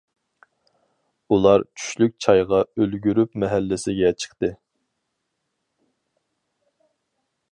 ئۇلار چۈشلۈك چايغا ئۈلگۈرۈپ مەھەللىسىگە چىقتى.